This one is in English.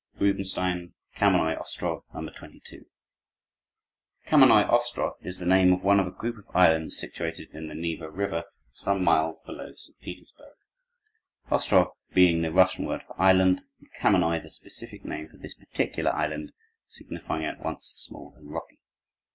Rubinstein: Kamennoi Ostrow, No. 22 Kamennoi Ostrow is the name of one of a group of islands situated in the Neva River, some miles below St. Petersburg, "Ostrow" being the Russian word for island, and "Kamennoi" the specific name for this particular island, signifying at once small and rocky.